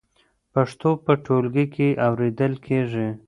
پښتو په ټولګي کې اورېدل کېږي.